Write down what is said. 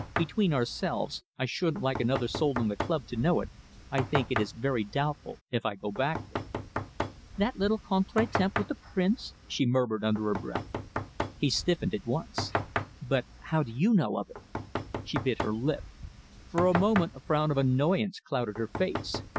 Between ourselves I shouldn't like another soul in the club to know it I think it is very doubtful if I go back there." "That little contretemps with the Prince," she murmured under her breath. He stiffened at once. "But how do you know of it?" She bit her lip. For a moment a frown of annoyance clouded her face.